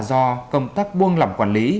do công tác buôn lỏng quản lý